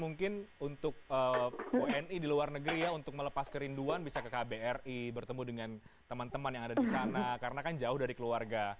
mungkin untuk wni di luar negeri ya untuk melepas kerinduan bisa ke kbri bertemu dengan teman teman yang ada di sana karena kan jauh dari keluarga